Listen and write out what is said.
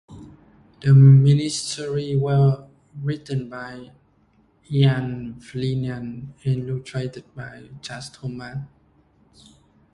The miniseries was written by Ian Flynn and illustrated by Chad Thomas.